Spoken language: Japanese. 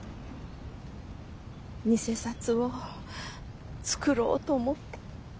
偽札を作ろうと思って。